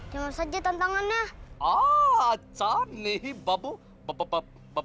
jangan saja tantangannya